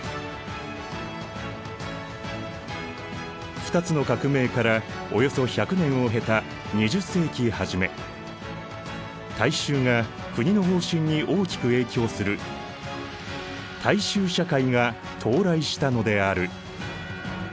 二つの革命からおよそ１００年を経た２０世紀初め大衆が国の方針に大きく影響する大衆社会が到来したのである。